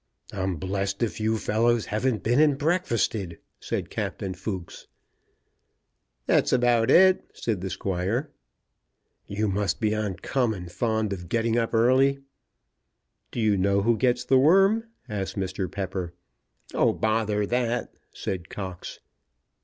"I'm blessed if you fellows haven't been and breakfasted," said Captain Fooks. "That's about it," said the Squire. "You must be uncommon fond of getting up early." "Do you know who gets the worm?" asked Mr. Pepper. "Oh, bother that," said Cox.